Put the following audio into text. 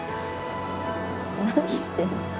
何してんの？